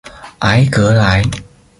昂格莱。